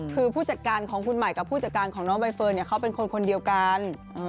คือผู้จัดการของคุณใหม่กับผู้จัดการของน้องใบเฟิร์นเขาเป็นคนคนเดียวกัน